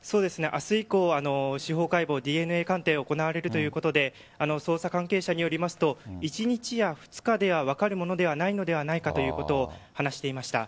明日以降司法解剖、ＤＮＡ鑑定が行われるということで捜査関係者によりますと１日や２日では分かるものではないのではないかということを話していました。